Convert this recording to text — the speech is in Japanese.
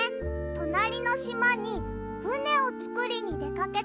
となりのしまにふねをつくりにでかけたの。